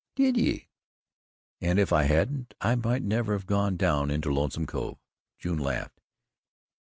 "Did ye?" "And if I hadn't, I might never have gone down into Lonesome Cove." June laughed.